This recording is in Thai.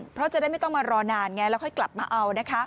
เพราะจะได้ไม่ต้องมารอนานไงแล้วค่อยกลับมาเอานะคะ